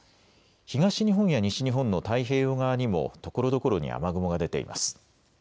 東日本や西日本の太平洋側にもところどころに雨雲が出ています。